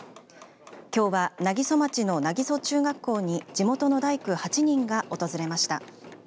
きょうは南木曽町の南木曽中学校に地元の大工８人が訪れました。